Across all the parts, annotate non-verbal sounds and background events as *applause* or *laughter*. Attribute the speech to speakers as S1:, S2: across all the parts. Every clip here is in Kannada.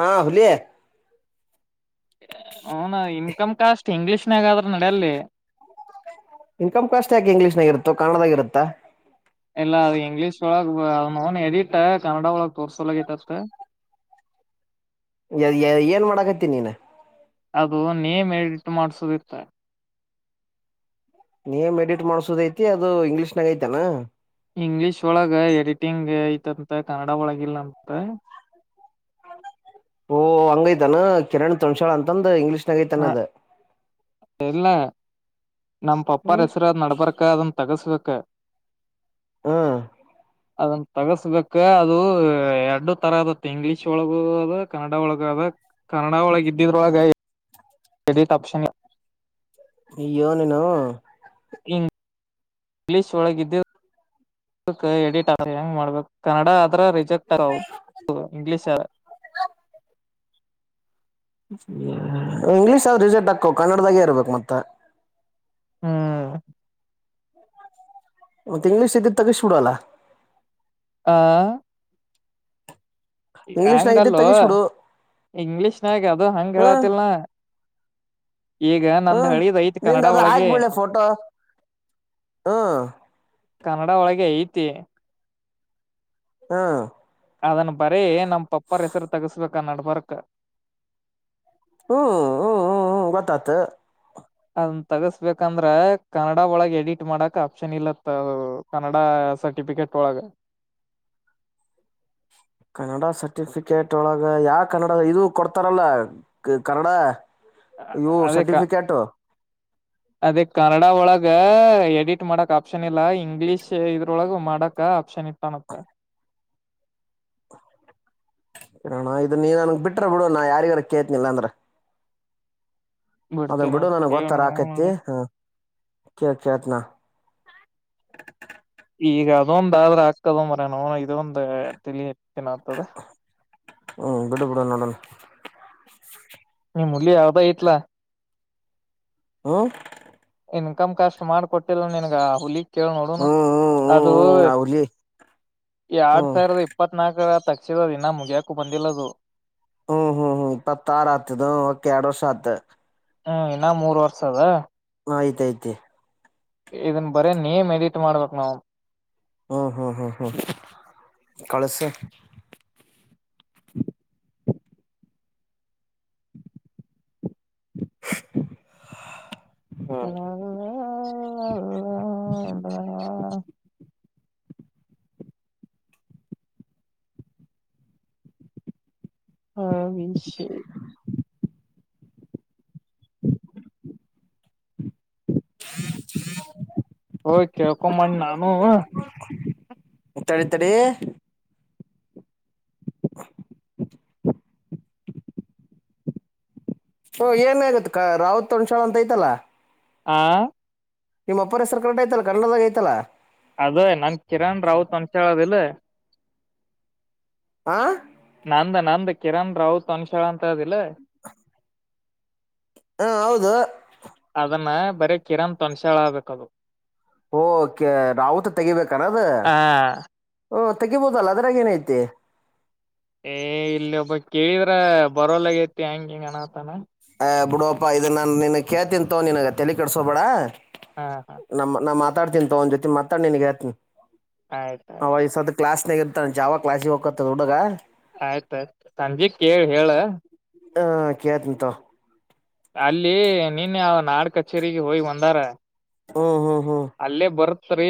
S1: ಹಾ ಹುಲಿ
S2: ಹನ ಇನ್ಕಮ್ ಕಾಸ್ಟ್ ಇಂಗ್ಲಿಷ್ನ್ಗ ನದ್ರೂ ನಡಲ್ಲಿ
S1: ಇನ್ಕಮ್ ಕಾಸ್ಟ್ ಯಾಕ ಇಂಗ್ಲೀಷ್ನಾಗ ಇರುತ್ತೋ ಕನ್ನಡದಾಗ ಇರತ್ತ
S2: ಇಲ್ಲ ಅದ ಇಂಗ್ಲೀಷ್ ಒಳಗ್ ಅವನೌನ್ ಎಡಿಟ್ ಕನ್ನಡ ಒಳಗ ತೋರ್ಸೊಲಗಂತ ತ್ತಷ್ಟೆ
S1: ಲ ಲ್ಲೆ ಏನ್ ಮಾಡಕತ್ತಿ ನೀನು
S2: ಅದು ನೇಮ್ ಎಡಿಟ್ ಮಾಡ್ಸೋದಿತ್ತ
S1: ನೇಮ್ ಎಡಿಟ್ ಮಾಡ್ಸೋದ ಐತಿ ಅದು ಇಂಗ್ಲೀಷ್ದಾಗ ಐತೇನ್
S2: ಇಂಗ್ಲಿಷ್ ಒಳಗ ಎಡಿಟಿಂಗ್ ಐತಂತ್ ಕನ್ನಡ ದಡ ಒಳಗಿಲ್ಲ ಅಂತ
S1: ಓ ಹಂಗೈಐತಾನ ಕಿರಣ್ ತೋಣಸಾಳ ಅಂತಂದ ಇಂಗ್ಲೀಷ್
S2: ಹ ಇಲ್ಲ ನಮ ಪಪ್ಪಾರ
S1: ಹ್ಮ್
S2: ಹೆಸರದ ನಡ್ಬಾರಕಂದನ ತಗಸಬೇಕ್
S1: ಹ್ಮ
S2: ಅದನ್ನ ತಗಸ್ಬೇಕ ಅದು ಎರಡು ತರ ಅದತ್ತ ಇಂಗ್ಲೀಷ್ ಒಳಗ ಅದ ಕನ್ನಡ ಒಳಗ ಅದ ಕನ್ನಡ ಒಳಗ ಇದ್ದಿದ್ರೊಳಗೆ ಎಡಿಟ್ ಆಪ್ಷನ್
S1: ಅಯ್ಯೋ ನೀನು
S2: ಇಂಗ್ಲಿಷ್ ಒಳಗ್ ಇದ್ದಿದ್ದ ಎಡಿಟ್ ಆ ಹೆಂಗ್ ಮಾಡ್ಬೇಕು ಕನ್ನಡ ಆದ್ರ ರಿಜೆಕ್ಟ್ ಇಂಗ್ಲಿಷ
S1: ಹ್ಮ ಇಂಗ್ಲೀಷ್ ಆದ ರಿಸಲ್ಟ್ ಹಾಕೋ ಕನ್ನಡದಾಗೆ ಇರರ್ಬೇಕು ಮತ್ತೆ
S2: ಹ್ಮ್
S1: ಮತ್ತೆ ಇಂಗ್ಲಿಷ್ ಇದ್ದಿದ್ದ ತಗಿಸಿ ಬಿಡ ಲಾ
S2: ಆ
S1: ಇಂಗ್ಲೀಷ್ನಾಗ ಇದ್ದಿದ್
S2: ಹಂಗಲ್ಲೂ
S1: ತಗಿಸ್ಬಿಡು
S2: ಇಂಗ್ಲಿಷ್ನಾಗ ಅದು ಹಂಗ್ ಹೇಳಾತಿಲ್ನಾ
S1: ಹ್ಮ್ ನಿಂದ
S2: ಕನ್ನಡ
S1: ಅದು
S2: ಒಳಗೆ
S1: ಹಾಕ್ಬಿಳೆ ಫೋಟೋ ಹ್ಮ್
S2: ಕನ್ನಡ ಒಳಗೆ ಐತಿ
S1: ಹಾ
S2: ಅದನ್ ಬರೀ ನಮ್ ಪಪ್ಪರ್ ಹೆಸರು ತಗಸ್ಬೇಕು ಕ ನಡಬರ್ಕ
S1: ಹ್ಮ್ ಹ್ಮ್ ಹ್ಮ್ ಹ್ಮ್ ಗೊತ್ತಾತು
S2: ಅದನ್ ತಗಸ್ಬೇಕಂದ್ರ ಕನ್ನಡ ಒಳಗ ಎಡಿಟ್ ಮಾಡಕ ಆಪ್ಷನ್ ಇಲ್ಲತ್ತ ಕನ್ನಡ ಸರ್ಟಿಫಿಕೇಟ್ ಒಳಗ
S1: ಕನ್ನಡ ಸರ್ಟಿಫಿಕೇಟ್ ಒಳಗ ಯಾ ಕನ್ನಡ ಇದು ಕೊಡ್ತಾರಲ್ಲ ಕನ್ನಡ ಇವು
S2: ಅದೇ ಕ
S1: ಸರ್ಟಿಫಿಕೇಟ್
S2: ಅದೇ ಕನ್ನಡ ಒಳಗ ಎಡಿಟ್ ಮಾಡಕ್ ಆಪ್ಷನ್ ಇಲ್ಲ ಇಂಗ್ಲಿಷ್ ಇದ್ರೊಳಗ ಮಾಡಕ ಆಪ್ಷನ್ ಇಟ್ಟನಂತ
S1: ಇರೋಣ ಇದು ನೀನ್ ನನ್ಗ್ ಬಿಟ್ರ ಬಿಡು ನಾ ಯಾರಿಗಾರ ಕೇಳ್ತೇನ ಇಲ್ಲಾ ಅಂದ್ರ ಅದನ್
S2: ಬಿಡ್ತೇನ
S1: ಬಿಡು ನನ್ಗ್ ಗೊತ್ತರ
S2: ಕೇಳೋಣ
S1: ಆಕೈತಿ ಹ ಕೇಳ ಕೇಳ್ತೇನಳ
S2: ಈಗ ಅದೊಂದ ಆದ್ರ ಆಗತದ ಮರೈನ್ಯ ಇದೊಂದ ತಿಳಿ
S1: ಹ್ಮ್ ಬಿಡು ಬಿಡು ನೋಡಣ
S2: *unintelligible*
S1: ಹ್ಮ್
S2: ಇನ್ ಕಮ್ ಕಷ್ಟ್ ಮಾಡ್ ಕೊಟ್ಟಿಲ್ಲ ನನ್ಗ ಆ ಹುಲಿ ಕೇಳ ನೋಡುಣ
S1: ಹ್ಮ್ ಹ್ಮ್
S2: ಅದು
S1: ಹ್ಮ್ ಹ್ಮ್ ಹುಲಿ
S2: ಎರಡ್
S1: ಹ್ಮ್
S2: ಸಾವಿರದ ಇಪ್ಪತ್ನಾಲ್ಕರ ತಕ್ಷದ ದಿನ ಮುಗಿಯಕು ಬಂದಿಲ್ಲದು
S1: ಹ್ಮ್ ಹ್ಮ್ ಹ್ಮ್ ಪತ್ತ ಆಾರ ಆತದು ಒಕೆ ಎರಡು ವರ್ಷ ಆತ್ತ
S2: ಹ್ಮ್ ಇನ್ನ ಮೂರ್ ವರ್ಷ ಅದ
S1: ಆಯ್ತಾಯ್ತೆ
S2: ಇದನ್ ಬರೇ ನೇಮ್ ಎಡಿಟ್ ಮಾಡ್ಬೇಕ್ ನಾವು
S1: ಹ್ಮ್ ಹ್ಮ್ ಹ್ಮ್ ಹ್ಮ್ ಕಳಸ ಹ
S2: ಲಾ ಲ ಲ ಲ ಲಾ ಹಾ ವಿಸೆಕ್ ಹೋಗ್ ಕೇಳ್ಕೊಂಬನ್ ನಾನು
S1: ಎ ತಡಿ ತಡಿ ಕ್ಸಿ ಓ ಏನ್ ಆಗತ್ ಕ ರಾವತ್ ತಣ್ಸಾಳ ಅಂತ ಐತಲ್ಲಾ
S2: ಆ
S1: ನಿಮ್ಮ ಅಪ್ಪರ್ ಹೆಸ್ರು ಕರಟ್ ಐತಲ್ಲ ಕನ್ನಡದಾಗ ಐತಲ್ಲ
S2: ಅದ ನನ್ ಕಿರಣ್ ರಾವತ್ ಅಂತ್ ಹೇಳೋದಿಲ್ಲ
S1: ಹಾ
S2: ಅಂದ ನಂದ ಕಿರಣ್ ರಾವತ್ ಅಂತಳ ತ್ತದಲ್ಲ
S1: ಹಾ ಹೌದು
S2: ಅದನ್ನ ಬರೀ ಕಿರಣ್ ತೊಣ್ಸ್ಯಾಳ್ ಆಗ್ಬೇಕು ಅದು
S1: ಓ ಕೆ ರಾವತ್ ತೆಗಿಬೇಕಾನದು
S2: ಹಾ
S1: ಓ ತೆಗಿಬೋದಲ್ಲ ಅದ್ರಾಗ ಏನೈತೆ
S2: ಏ ಇಲ್ಲಿ ಒಬ್ಬ ಕೇಳಿದ್ರ ಬರೋಲ್ಲಗೇತಿ ಹೆಂಗ ಹಿಂಗ ಅನತಾನ
S1: ಹ ಬಿಡಪ್ಪಾ ಇದನ್ನ ನಾನ ನಿನ್ ಕೇತಿಂತೋ ನಿನಗ ತಲೆ ಕಟ್ಸೋಬೇಡ
S2: ಹಾ ಹಾ
S1: ನಮ್ಮ ನಮ್ ಅ ಮಾತಾಡ್ತೀನ್ ತಗೊ ಅವ್ ಜೊತೆ ಮಾತಡ್ ನಿನ್ಗೆ ಹೇಳ್ತನಿ
S2: ಆಯ್ತ ಆಯ್ತು
S1: ಕ್ಲಾಸ್ನ ಗೆ ಇರ್ತಾನೆ ಜಾವ ಕ್ಲಾಸಿಗೆ ಹೋಗಕತನ ಹುಡಗ
S2: ಆಯ್ತಾಯ್ತು ಸಂಜಿಗ್ ಕೇಳಿ ಹೇಳ
S1: ಹ ಕೇಳ್ತೀನಿ ತಾಗ್
S2: ಅಲ್ಲಿ ನೀನ್ ಅವ ನಾಡ್ ಕಚೇರಿಗೆ ಹೋಗಿ ಬಂದಾರ
S1: ಹು ಹ್ಮ್ ಹ್ಮ್
S2: ಸರಿ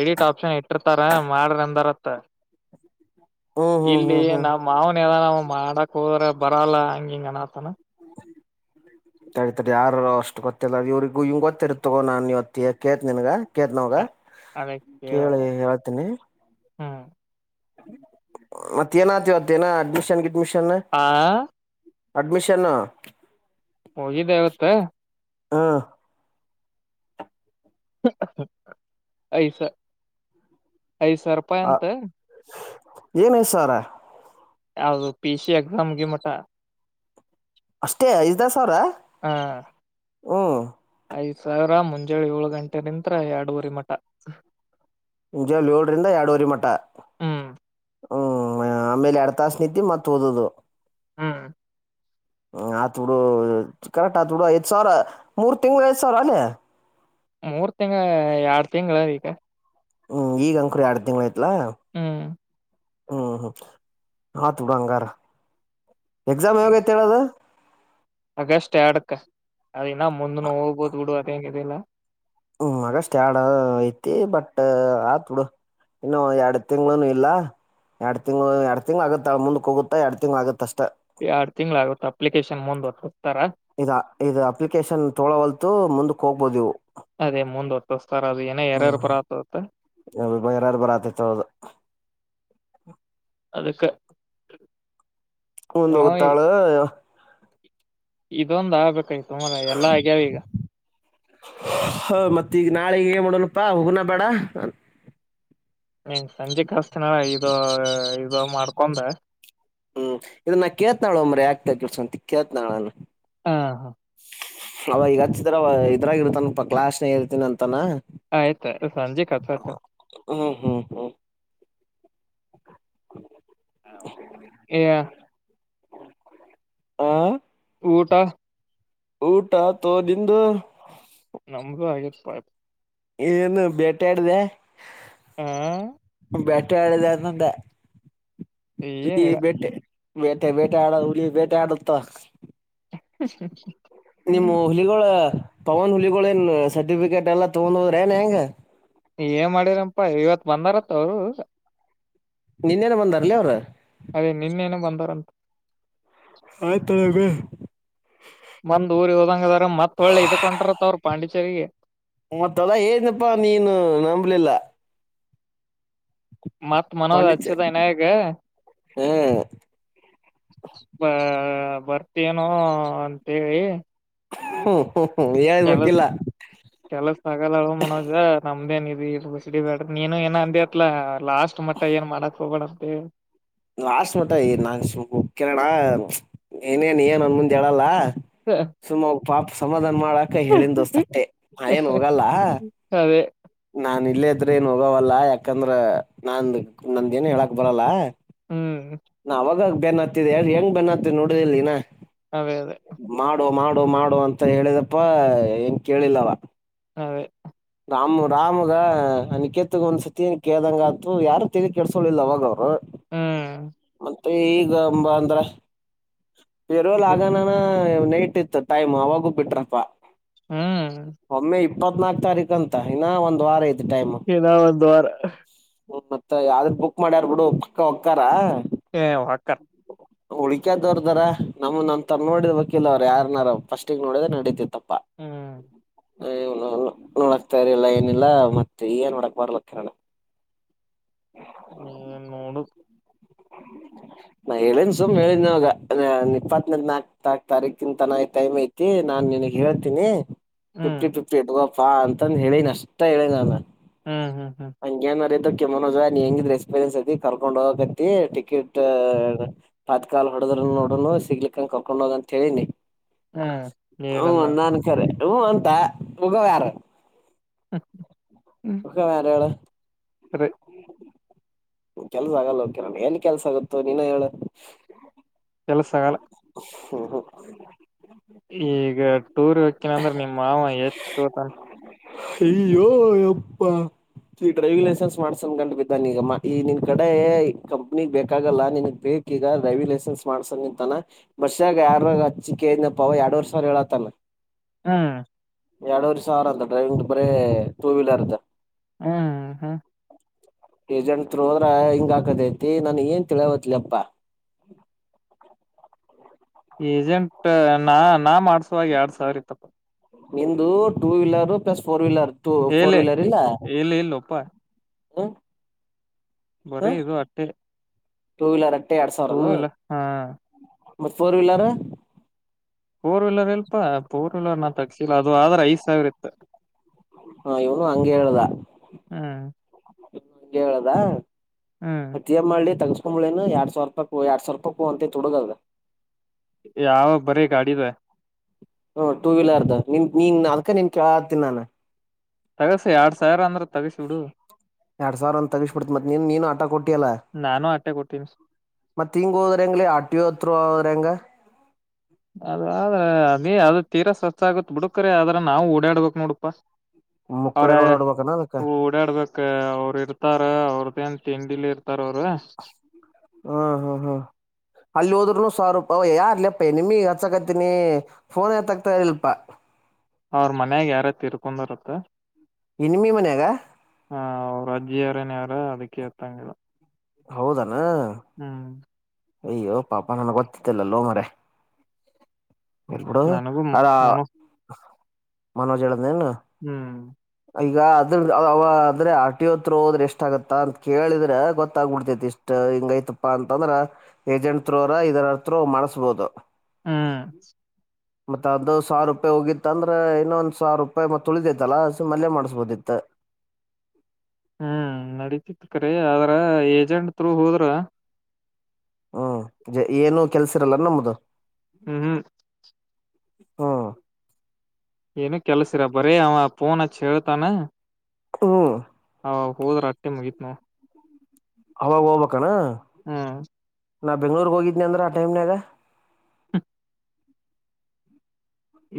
S2: ಎಡಿಟ್ ಆಪ್ಷನ್ ಐತ ಇರ್ತಾರ ಮಾಡ್ರಿ ಅಂದಾರ ತ್ತ
S1: ಹ್ಮ್ ಹ್ಮ್
S2: ಇಲ್ಲಿ
S1: ಹ್ಮ್ ಹ್ಮ್
S2: ನಾ ಮಾವನೆಲ್ಲಲವಂ ಮಾಡಕ್ ಹೋದ್ರೆ ಬರಲ್ಲ ಹಂಗ ಹಿಂಗ ಅನತನ
S1: ತಡೆ ತಡೆ ಯಾರರು ಅಷ್ಟು ಗೊತ್ತಿಲ್ಲ ಇವ್ರಿಗೂ ಇಂಗ್ ಗೊತ್ತಿರ್ತ್ತಗೋ ನಾನ್ ಇವತ್ತು ಯ ಕೇಳ್ತ್ ನಿನ್ಗ. ಕೇಳ್ತಿನಿ ಅವಂಗ ಕೇಳಿ ಹೇಳ್ತೀನಿ.
S2: ಹ್ಮ
S1: ಮತ್ತ ಏನ ಆತಿವತ್ತೇನ ಅಡ್ಮಿಷನ್, ಗಿಡ್ಮಿಷನ್.
S2: ಆ
S1: ಅಡ್ಮಿಷನ್
S2: ಹೋಗಿದ್ದೆ ಇವತ್ತ.
S1: ಹಾ
S2: ಐಸ ಐದ್ ಸಾವ್ರ ರೂಪಾಯಿ ಅಂತ.
S1: ಏನು ಹೆ ಸರ
S2: ಯಾವ್ದದು ಪಿ ಸಿ ಎಕ್ಸಾಮ್ ಗಿ ಮಟ.
S1: ಅಷ್ಟೇ ಐದಾ ಸಾವ್ರ,
S2: ಹ
S1: ಹ್ಮ.
S2: ಯೋಳ್ ಏಳು ಗಂಟೆ ನಿಂತ್ರ ಅಡುವರಿ ಮಟ
S1: ಮುಂಜಳ್ ಯೋಳ್ರಿಂದ ಎರ್ಡುವರಿ ಮಠ
S2: ಹ್ಮ್
S1: ಹ್ಮ್ ಆಮೇಲೆ ಎಡ್ ತಾಸ್ ನಿದ್ದಿ ಮತ್ ಓದದು.
S2: ಹ್ಮ
S1: ಹ ಆಯ್ತ್ ಬಿಡು ಕರೆಕ್ಟ್ ಆಯ್ತ್‌, ಬುಡು ಐದ್ ಸಾವಿರ ಮೂರ್ ತಿಂಗಳು, ಐದ ಸಾವಿರ ಅಲ್ಲೇ
S2: ಮೂರ್ ತಿಂಗ್ಳು ಎರಡ್ ತಿಂಗಳ ಈಗ
S1: ಹ್ಮ್ ಈಗ ಅಂಕೂರಿ ಎರಡ್ ತಿಂಗಳ ಯತು ಎಲ
S2: ಹ್ಮ್
S1: ಹ್ಮ್ ಹ್ಮ್ ಅತ್ ಬುಡು ಹಂಗಾರ ಎಕ್ಸಾಮ್ ಯಾವಾಗೈತಿ ಹೇಳದ?
S2: ಅಗಷ್ಟ ಅಡ್ಕ್ ಅದಿನ್ನ ಮುಂದ ನ ಹೋಗ್ಬಹದು ಬಿಡು ಅದ್ಯೆನ್ ಇದಿಲ್ಲ.
S1: ಹ್ಮ್ ಆಗಷ್ಟ ಎರ್ಡ ಐತಿ, ಬಟ್ ಆತ್ ಬುಡು ಇನ್ನು ಎರಡ್ ತಿಂಗ್ಳನು ಇಲ್ಲ, ಎರಡ್ ತಿಂಗ್ಳ ಎರಡ್ ತಿಂಗ್ ಆಗುತ್ತಳ ಮುಂದಕ್ ಹೋಗುತ್ತಾ ಎರಡ್ ತಿಂಗಳ ಆಗುತ್ತ ಅಷ್ಟ.
S2: ಎರಡ್ ತಿಂಗ್ಳ ಆಗುತ್ತೆ ಅಪ್ಲಿಕೇಶನ್ ಮುಂದ್ ವರ್ತು.
S1: ಇದ ಇದ ಅಪ್ಲಿಕೇಶನ್ ತೊಳೋವಲ್ತು ಮುಂದ ಹೋಗ್ಬೋದಿವು
S2: ಅದೇ ಮುಂದ ಹೊತ್ತಾರ ಅದು ಏನ ಯಾರ್ಯಾರು ಬರ ಆತ್ತ
S1: ಅ ಬಹಿರತ್ ಬರ ಆತ್ ಹೌದು.
S2: ಅದಕ
S1: ಒಂದ ಹೋಗುತ್ತಾಳ.
S2: ಇದೊಂದ ಆಗ್ಬೇಕಾಯತು. ತುಮಲ್ಲ ಎಲ್ಲ ಆಗ್ಯಾವ ಈಗ
S1: ಹ ಮತ್ ಈಗ್ ನಾಲೆ ಏನ್ ಮಾಡಡಣಪ್ಪಾ ಹೋಗುನ ಬೇಡ.
S2: ನೀ ಸಂಜೆ ಕಸ್ತನ ಇದು. ಇದು ಮಾಡ್ಕೊಂಡ
S1: ಹ್ಮ್ ಇದನ್ನಾ ಕೇತನಾಳ ಒಮ್ಮ್ರೀ ಯಾಕ್ ಕೆ ಸಂತ ಕೇತ್ನಳಲ್ಲ
S2: ಹ
S1: ಅವ ಈಗ ಹಚ್ಚಿದ್ರ ಇದ್ರಾಗ ಇರ್ತಾನಪ್ಪಾ ಕ್ಲಾಸ್ನಾಗ್ ಇರ್ತಿನಿ ಅಂತಾನ.
S2: ಆಯ್ತುತ ಸಂಜೆ ಕತ ಆಯ್ತ.
S1: ಹ್ಮ್ ಹ್ಮ್ ಹ್ಮ್ *inaudible*
S2: ಏ
S1: ಹ
S2: ಊಟ
S1: ಊಟ ಆತೋ ನಿಂದು.
S2: ನಮ್ದು ಆಗಿದೆ ಅಪ್ಪ.
S1: ಏನು ಬೇಟಾಡ್ದ
S2: ಹ
S1: ಬೇಟಿಯಾಡ್ದೆ ನಂದೇ ಇಲ್ಲಿ
S2: ಏನಿಲ್ಲ
S1: ಬೆಟ್ಟೆ. ಬೇಟೆ ಬೇಟೆ ಆಡ ಹಳಿಯ ಬೇಟೆ ಆಡುತ್ತ.
S2: ಅಷ್ಟರಿ *unintelligible*
S1: ನಿಮ್ಮ ಹುಲಿಗಳು ಪವನ್ ಹುಲಿಗಳನ್ ಸರ್ಟಿಫಿಕೇಟ್ ಎಲ್ಲಾ ತಗೊಂಡ್ ಹೋದ್ರ ನ್ ಹೆಂಗ
S2: ಏನ್ ಮಾಡಿರಂಪಾ ಇವತ್ತು. ಬಂದಾರತ್ ಅವರು.
S1: ನಿನ್ನೇನ ಬಂದಾರಲ ಈವರು
S2: ಹಂತ
S1: ಆಯ್ತಳಗ.
S2: ಬಂದ್ ಊರಿಗೆ ಹೋದಂಗ ಸರಿ
S1: ಮತ್ತಲ್ಲ ಏನಪ್ಪಾ ನೀನು ನಂಬಲಿಲ್ಲ.
S2: ಮತ್ತ್ ಮನೋದ
S1: ಪಾಂಡಿಚೆ
S2: ಹಚ್ಚದ ಇನಗ
S1: ಹ್ಮ್
S2: ಸ್ವಲ್ಪ ಬರ್ತೇನೋ ಅಂತ ಹೇಳಿ.
S1: ಹ್ಮ ಹ್ಮ *unintelligible*
S2: ಕೆಲ ಕೆಲ ಸಕಾಲ ಅದಳು ಮನೋಜ ನಮ್ಮ ಅಂದೇ ಇ ಬುಸಡಿ ಪಡ ನೇನು ಏನು ಅಂದ ಅಟ್ಲ ಲಾಸ್ಟ್ ಮಟ್ಟ ಏನ್ ಮಾಡೋಕ್ ಹೋಗ್ಬೇಡ. ಹ
S1: ಲಾಸ್ಟ್ ಮಟ ನಾನ್ ಕನಡ ಏನೇನ್ ಏನ್ ಅಂದ ಮುಂದ್ ಹೇಳಲ್ಲ. ಸುಮ್ಮ ಪಾಪ ಸಮಾಧಾನ ಮಾಡಾಕ ಹೇಳಿಂದಸ್ ತಟ್ಟೆ ನ ಏನ್ ಹೋಗಲ್ಲ.
S2: ಅದೇ
S1: ನಾನ್ ಇಲ್ಲೇ ಇದ್ರೆ ಏನ್ ಹೋಗವಲ್ಲಾ ಯಾಕಂದ್ರ ನಾನ್ ನಂದ ಏನ್ ಹೇಳಾಕ್ ಬರಲ್ಲ.
S2: ಹ್ಮ್
S1: ನವಾಗ ಬನ್ ಆಗ್ತಿದೆ ಎ ಹೆಂಗ್ ಬನ್ ಆತ ನೋಡ್ರ ಇಲ್ಲಿನಾ.
S2: ಅದೇ ಅದೇ
S1: ಮಾಡುವ ಮಾಡ ಮಾಡಡು ಮಾಡು ಅಂತ ಹೇಳಿದಪ್ಪ ಹೆಂಗ ಕೇಳಿಲ್ಲವ
S2: ಹದೇ
S1: ನಮ್ ರಾಮ್ಗ ಅ ನಿಿಕೇತ್ತಗ ಒಂದ್ಸತಿ ಕೇದಂಗ ಅ ಯಾರು ತಿಿ ಕೆಡಸಳಿಲ್ಲ ಅವಾಗ ಅವ್ರು
S2: ಹ್ಮ್
S1: ಈಗಂಬ ಅಂದ್ರ ರೋಲ್ ಆಗಾನಾನ ನೈ ಬಿಟ್ಟಿತ್ತು ಟೈಮ್ ಅವಾಗೂ ಬಿಟ್ರಪ್ಪ
S2: ಹ್ಮ್
S1: ಇಪ್ಪತ್ತು ನಾಲ್ಕು ತಾರೀಕು ಂತ ಇನ್ನ ಒಂದ ವಾರ ಐತಿ
S2: ಏನ ಒಂದು ವಾರ
S1: ಹ್ಮ ಮತ್ತತ್ ಯಾವ್ದ್ರ ಬುಕ್ ಮಾಡ್ಯಾರ್ ಬಿಡುಕ್ಕ ಹಕ್ಕಾರ
S2: ಹ ವಕ್ಕರ್
S1: ಹ ಉಳಿಕಕದವ್ರದಾರ ನಮ್ಮ್ ನನ್ ತ ನೋಡಿದ್ ಬಕಿಲ್ ಅವ್ರು ಯಾರನಾರ ಫಸ್ಟಗ್ ನೋಡಿದ್ರೆ ನಡೀತಿ ತಪ್ಪ
S2: ಹ್ಮ್
S1: ಹೋ *unintelligible* ಸರಿಲ್ಲ ಏನಿಲ್ಲ ಮತ್ತೆ ಏನ್ ಹೊಡಕ್ ಬರ್ಲ ಕಿರಣರಣ
S2: ನೀ ಮೂಡು
S1: ನಾ ಹೇಳನ್ ಸುಮ್ ಹೇಳಿದವಾಗ ಇಪ್ಪತ್ತನ ನಾಕ ತಾರೀಕಿಂತ ಟೈಮ್ ಐತಿ ನಾನ್ ನಿನ್ಗ್ ಹೇಳ್ತೀನಿ
S2: ಹ್ಮ್
S1: ಫಿಫ್ಟಿ ಫಿಫ್ಟಿ ಹಾ ಅಂತಂದ ಹೇಳೇನ್ ಅಷ್ಟ ಹೇಳೇ ನಾನನ್
S2: ಹ್ಮ್ ಹ್ಮ್ ಹ್ಮ್
S1: ಹಂಗೇನರ ಇದ್ರೆ ಮನೋಜ್ ನೀ ಹೆಂಗ್ರ ಎಕ್ಸ್ಪೀರಿನ್ ಅಐ ಕರ್ಕೊಂಡ ಹೋಗ ಟಿಕೆಟ್ ತಾತ್ಕಾಲ ಹೊಡದ್ರ ನೋಡನು ಸಿಗ್ಲಿಕ್ಕಂಗ ಕರ್ಕೊಂಡ ಹೋಗ ಅಂತ ಹೇಳಿನಿ
S2: ಹ್ಮ್
S1: ಹವ
S2: ಏನಂದ
S1: ಅಂದಾನು ಕರೆ ಹ ಅಂತ ಹಗ ಯಾರು
S2: ಅ
S1: ಹೋಗೋ ಯಾರು ಹೇಳು
S2: ಸರಿ
S1: *inaudible* ಕೆಲ್ಸ ಆಗಲ್ಲ ಕಿರಣ ಎಲ್ಲಿ ಕೆಲ್ಸ ಆಗುತ್ತೋ ನೀನು ಹೇಳ
S2: ಕೆಲಸ ಆಗಲ್ಲ
S1: ಹಾ ಹಾ
S2: ಯಾಕನಂದ್ರೆ ನಿಮ್ ಮಾವ ಹೆಚ್ಚತ
S1: ಅಯ್ಯೋಯಪ್ಪ ಈ ಡ್ರೈವಿಂಗ್ ಲೈಸೆನ್ಸ್ ಮಾಡ್ಸನ್ ಗಂಂಡು ಬಿದ್ದಾನ ಈಗ ಈ ನಿನ್ ಕಡೆ ಕಂಪ್ನಿಗ್ ಬೇಕಾಗಲ್ಲಾ ನಿನ್ಗ್ ಬೇಕ ಈಗ ಡ್ರೈವಿಂಗ್ ಲೈಸೆನ್ಸ್ ಮಾಡ್ಸನ್ ನಿಂತಾನ ಬರ್ಷ್ಯಾಗ ಯಾರಾಗ ಹಚ್ಚಿಕಯನಪ್ಪವ ಎರಡ್ ವರ್ ಸ ಹೇಳತಾನ
S2: ಹ್ಮ
S1: ಎರಡವರು ಸಾವಿರ ಅಂತ ಡ್ರೈವಿಂಗ್ ಬರೀ ಟೂ ವೀಲರ್ ಅದ
S2: ಹ್ಮ್ ಹಾ
S1: ಏಜೆಂಟ್ ತ್ರೋ ಹೋದ್ರಾ ಹಿಂಗ ಹಾಕತೈತಿ ನನಗೇನು ತಿಳಿವಲ್ದು ಅಪ್ಪ
S2: ಏಜೆಂಟ್ ನಾನ್ ನಾ ಮಾಡ್ಸೋಗ ಎರಡ್ ಸಾವಿರ ಇತ್ತಪ್ಪ
S1: ನಿಂದು two wheeler plus four wheeler two
S2: ಇಲ್ಲ
S1: ಫೋರ್
S2: ಇಲ್ಲ ಇಲ್ಲೊಪ್ಪಾ
S1: ಹಾ
S2: ಬರಿ ಇದು ಅಟ್ಟೆ
S1: ಟೂ ವೀಲರ್ ಅಟ್ಟೆ ಎರಡು
S2: ಟೂ
S1: ಸಾವಿರನ
S2: ವೀಲರ್ ಹಾ
S1: ಮತ್ತೆ ಫೋರ್ ವೀಲರ್
S2: ಫೋರ್ ವೀಲರ್ ಇಲ್ಲಪ್ಪ ನನ್ ತಗಸಿಲ್ಲ ಅದು ಆದ್ರೆ ಐದ್ ಸಾವಿರ ಇತ್ತು
S1: ಹಾ ಇವನು ಹಂಗೆ ಹೇಳುದ
S2: ಹ್ಮ್
S1: ಹಂಗೆ ಹೇಳದಾ
S2: ಹ್ಮ್
S1: ಮತ್ತೆ ಮಾಡ್ಲಿ ತಗೊಂಡು ಎರಡು ಸಾವಿರ ರೂಪಾಯಿಕ ಎರಡು ಸಾವಿರ ರೂಪಾಯಿ ಅಂತ ತುಡುಗದ
S2: ಯಾವ ಬರೀ ಗಾಡಿದ
S1: ಹ್ಮ ಟೂ ವೀಲರ್ದು ನಿನ್ ನೀನ್ ಅದಕ ನೀನ್ ಕೇಳತನಿ ನಾನ
S2: ತಗಸಿ ಎರಡ್ ಸಾವಿರ ಅಂದ್ರ ತಗಸಿಬಡು
S1: ಎರಡ್ ಸಾವಿರ ಅಂದ ತಗಸ್ಬಿಡ್ತ್ ಮತ್ತ್ ನೀನ್ ನೀನು ಆಟೆ ಕೊಟ್ಟಿ ಅಲ್ಲ
S2: ನಾನು ಅಟ್ಟೆ ಕೊಟ್ಟೀನಿ
S1: ಮತ್ತ್ ಹಿಂಗ ಹೋದ್ರ ಅಂಗ್ಲಿ ಹತ್ರ ಆರ್ ಟಿ ಓ ಅತ್ರ ಹೋದ್ರೆ ಹೆಂಗೆ
S2: ಅದ್ರ ಅದ ಅದ ತೀರಾ ಸ್ವಚ್ ಆಗತ್ ಬಿಡಕ್ರ ಅದ್ರ ನಾವು ಓಡಾಡ್ಬೇಕಕ್ ನೋಡಪಾ ಅವ್ರ
S1: ಮುಕ್ಕುಳೆ ರೋಡ್ ಹೊಡ್ಬೇಕನ ಅದಕ್ಕ
S2: ಓಡಾಡ್ಬೇಕ ಅವ್ರ ಇರ್ತಾರ ಅವ್ರ್ದನ್ *unintelligible*
S1: ಹ್ಮ್ ಹ್ಮ್ ಹ್ಮ್ ಅಲ್ಲಿ ಹೋದ್ರೂನು ಸಾವಾ ಓ ಯಾರ್ಲಿಪ್ಪ ನಿಮಿಗೆ ಹಚ್ಚಕತೀನಿ ಫೋನ್ ಎತ್ತ ಆಗ್ತ ಇರ್ಲಪಾ
S2: ಅವ್ರ ಮನ್ಯಾಗ ಯಾರ ತಿರ್ಕೊಂಡಿರತ್ತೆ
S1: *unintelligible* ಮನ್ಯಾಗ
S2: ಹಾ ಅವ್ರು ಅಜ್ಜಿ ಯಾರನ್ ಅದಕ್ಕೆೇ ಎತಂಗಿಲ್ಲ
S1: ಹೌದಾ
S2: ಹ್ಮ್
S1: ಅಯ್ಯೋ ಪಾಪ ನನ್ ಗೊತ್ತತ್ತಿಲ್ಲಲ್ಲೋ ಮಾರಾಯ
S2: ನನಗೂ ಮ ಮನೋ
S1: *unintelligible* ಮನೋಜ ಹೇಳ್
S2: ಹ್ಮ್
S1: ಈಗ ಅದ್ರ ಅದ್ರೆ ಆರ್ ಟಿ ಓ ಹತ್ರ ಹೋದ್ರೆ ಎಷ್ಟ ಆಗತ್ತ ಅಂತ ಕೇಳಿದ್ರೆ ಗೊತ್ತಾಗಬಿಡ್ತೇತಿ ಇಷ್ಟ ಹಿಂಗೈತಪಾ ಅಂತಂದ್ರ ಏಜೆಂಟ್ ತ್ರೋರ ಇದರತ್ರ ಮಾಡಸ್ಬೋದು
S2: ಹ್ಮ
S1: ಮತ್ತತ್ ಅದು ಸಾವಿರ ರೂಪಾಯಿ ಹೋಗಿತ್ತ ಅಂದ್ರೆ ಇನ್ನೊಂದ ಸಾವರ ರೂಪಾಯಿ ಮತ್ ಉಳಿದೈತಲ್ಲ ಸು ಮನೆ ಮಾಡಿಸಬೋದಿತ್ತ
S2: ಹ್ಮ್ ನಡೀತಿತ್ತು ಕರಿ ಆದ್ರ ಏಜೆಂಟ್ ೂ ಹೋದ್ರ
S1: ಹ್ಮ್ ಏನು ಕೆಲ್ಸಿರಲ್ಲ ನಮ್ದು
S2: ಹ್ಮ್ ಹ್ಮ್
S1: ಹಾ
S2: ಏನು ಕೆಲಸಿರ ಬರೀ ಅವ ಫೋನ್ಚ್ಚ ಹಳ್ತಾನೆ
S1: ಹ್ಮ್
S2: ಹಾ ಹೋದ್ರ ಅಟ್ಟೆ ಮುಗೀತ್ ನಾವು
S1: ಅವಾಗ ಹೋಗ್ಬಣ
S2: ಹ್ಮ
S1: ನಾ ಬೆಂಗ್ಳೂರ್ಗ್ ಹೋಗಿದ್ನಿ ಅಂದ್ರ ಆ ಟೈಮ್ನಗ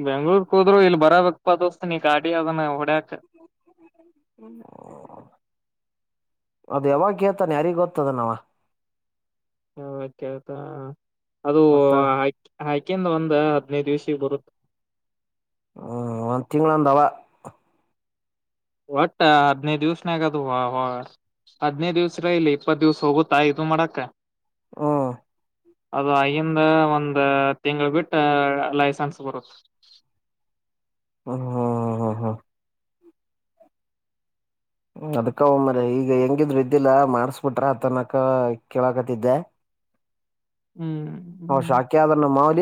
S2: ಬೆಂಗ್ಳೂರ್ಕ್ ಹೋದ್ರು ಇಲ್ ಬರಬೇಕಪ್ಪ ದೋಸ್ತ ನೀ ಕಾಟಿ ಅದನ ಹೊಡ್ಯಾ
S1: ಇಲ್ಲ ಅದ ಯಾವಾಗ ಹೇಳ್ತಾನೆ ಯಾರಿಗ್ ಗೊತ್ತದನವ
S2: ಹೌತ್ತತಾ ಅದು
S1: ಮತ್ತ
S2: ಹಾ ಹಾ ಅಕಂದ ಒಂದ ಹದ್ನೈದ ದಿವ್ಸಿಗೆ ಬರುತ್ತೆ
S1: ಹ್ಮ್ ಒಂದ್ ತಿಂಗಳಂದಾವ
S2: ಒಟ್ಟ ಹದ್ನೈದು ದಿವ್ಸನ ಆಗದು ಹೊ ಹದ್ೈದು ದಿವ್ಸ್ರ ಇಲ್ಲಿ ಇಪ್ಪತ್ ದಿವ್ಸ ಹೋಗುತ್ತಾ ಇದು ಮಾಡಕ
S1: ಹಾ
S2: ಅದು ಆಗಂದ ಒಂದ ತಿಂಳ ಬಿಟ್ಟ ಲೈಸೆನ್ಸ್ ಬರುತ್ತ
S1: ಹ್ಮ ಹ್ಮ್ ಹ್ಮ ಹ್ಮ ಅದ್ಕ್ಕ ಒಮ್ಮ್ರ ಈಗ ಹೆಂಗಿದ್ರು ಇದ್ದಿಲ್ಲ ಮಾರ್ಸ್ಬಿಟ್ರ ಅ ತನಕ ಕೇಳಕತಿದ್ದೆ
S2: ಹ್ಮ್ ಹ್ಮ್
S1: ಹಶಾಕೆ ಆದ್ರ ನ ಮಾೂಲಿ